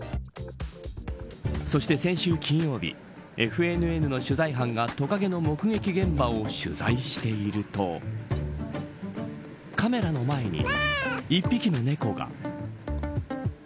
そして先週金曜日ＦＮＮの取材班がトカゲの目撃現場を取材しているとカメラの前に一匹の猫が。